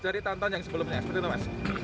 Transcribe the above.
dari tahun tahun yang sebelumnya